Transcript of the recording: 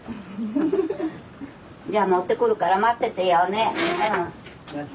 じゃあ持ってくるから待っててようね。